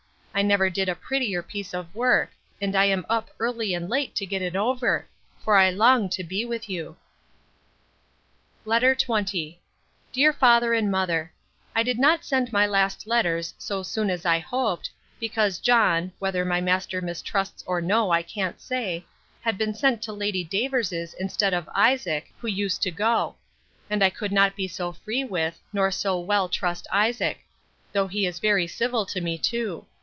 I never did a prettier piece of work; and I am up early and late to get it over; for I long to be with you. LETTER XX DEAR FATHER AND MOTHER, I did not send my last letters so soon as I hoped, because John (whether my master mistrusts or no, I can't say) had been sent to Lady Davers's instead of Isaac, who used to go; and I could not be so free with, nor so well trust Isaac; though he is very civil to me too.